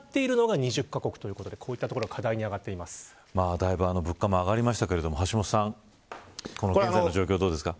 だいぶ物価も上がりましたけれども橋下さん、この状況どうですか。